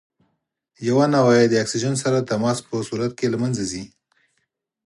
یوه نوعه یې د اکسیجن سره د تماس په صورت کې له منځه ځي.